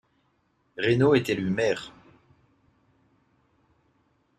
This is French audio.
Raynault est élu maire.